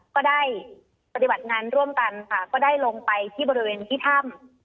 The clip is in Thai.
ก็ได้ปฏิบัติงานร่วมกันค่ะก็ได้ลงไปที่บริเวณที่ถ้ำ